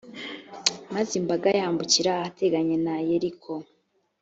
maze imbaga yambukira ahateganye na yeriko.